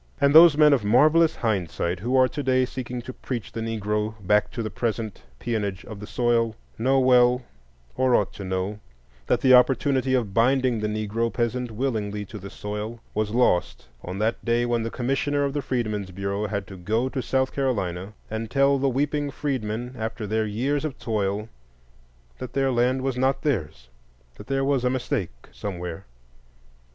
And those men of marvellous hindsight who are today seeking to preach the Negro back to the present peonage of the soil know well, or ought to know, that the opportunity of binding the Negro peasant willingly to the soil was lost on that day when the Commissioner of the Freedmen's Bureau had to go to South Carolina and tell the weeping freedmen, after their years of toil, that their land was not theirs, that there was a mistake—somewhere.